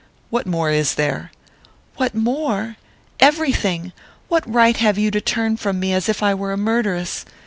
"What more is there?" "What more? Everything! What right have you to turn from me as if I were a murderess?